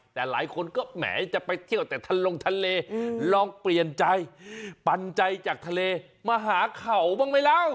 แต่หลายคนก็แหมจะไปเที่ยวแต่ทะลงทะเลลองเปลี่ยนใจปันใจจากทะเลมาหาเข่าบ้างไหมล่ะ